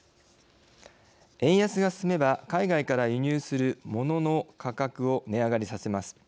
円安が進めば海外から輸入するものの価格を値上がりさせます。